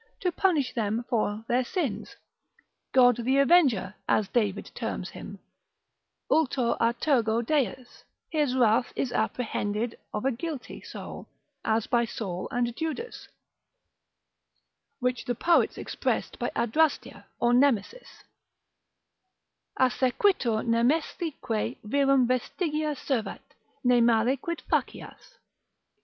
to punish them for their sins. God the avenger, as David terms him, ultor a tergo Deus, his wrath is apprehended of a guilty, soul, as by Saul and Judas, which the poets expressed by Adrastia, or Nemesis: Assequitur Nemesique virum vestigia servat, Ne male quid facias.